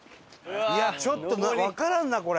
いやちょっとわからんなこれ。